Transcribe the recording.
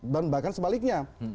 dan bahkan sebaliknya